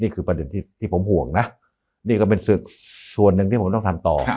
ประเด็นที่ผมห่วงนะนี่ก็เป็นศึกส่วนหนึ่งที่ผมต้องทำต่อ